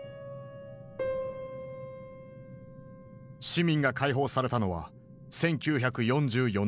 市民が解放されたのは１９４４年１月。